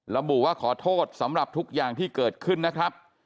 ระบุว่าขอโทษสำหรับทุกอย่างที่เกิดขึ้นนะครับ